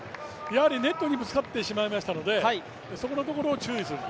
やはりネットにぶつかってしまったので、そこのところを注意する。